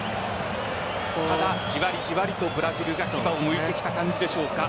ただ、じわりじわりとブラジルが牙をむいてきた感じでしょうか。